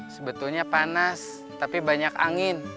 sebetulnya panas tapi banyak angin